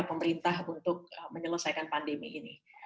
pemerintah untuk menyelesaikan pandemi ini